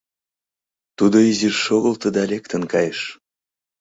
Тудо изиш шогылто да лектын кайыш.